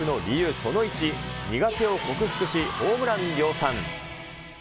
その１、苦手を克服しホームランを量産。